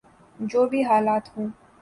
جو بھی حالات ہوں۔